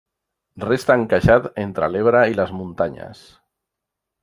Resta encaixat entre l'Ebre i les muntanyes.